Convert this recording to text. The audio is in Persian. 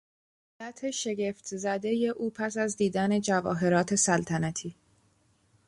حالت شگفتزدهی او پس از دیدن جواهرات سلطنتی